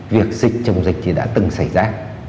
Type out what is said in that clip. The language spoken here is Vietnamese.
việc dịch chống dịch thì đã từng xảy ra